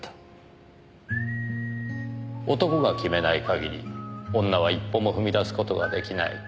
男が決めない限り女は一歩も踏み出す事が出来ない。